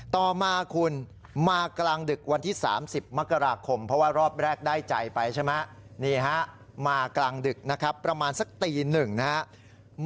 ต่อมาคุณมากลางดึกวันที่๓๐มกราคมเพราะว่ารอบแรกได้ใจไปใช่ไหมนี่ฮะมากลางดึกนะครับประมาณสักตีหนึ่งนะครับ